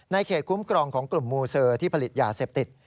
เขตคุ้มครองของกลุ่มมูเซอร์ที่ผลิตยาเสพติด